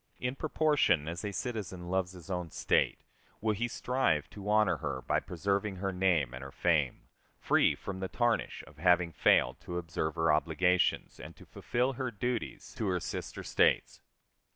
In proportion as a citizen loves his own State will he strive to honor her by preserving her name and her fame, free from the tarnish of having failed to observe her obligations and to fulfill her duties to her sister States.